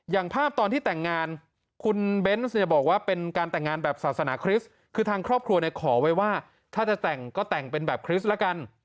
อย่างภาพตอนที่แต่งงานคุณเบนส์เนี่ยบอกว่าเป็นการแต่งงานแบบศาสนาคริสต์คือทางครอบครัวเนี่ยขอไว้ว่าถ้าจะแต่งก็แต่งเป็นแบบคริสต์ละกัน